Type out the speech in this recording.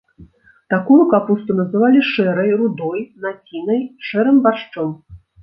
Такую капусту называлі шэрай, рудой, націнай, шэрым баршчом.